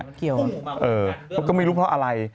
มันเกี่ยวมันก็ไม่รู้เพราะอะไร